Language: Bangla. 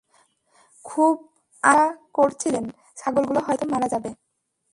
খুব আশঙ্কা করছিলেন, ছাগলগুলো হয়তো মারা যাবে।